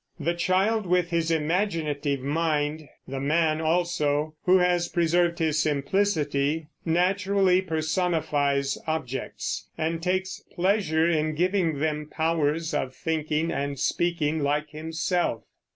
The child with his imaginative mind the man also, who has preserved his simplicity naturally personifies objects, and takes pleasure in giving them powers of thinking and speaking like himself.